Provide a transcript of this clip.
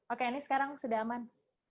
oke ini sekarang sudah aman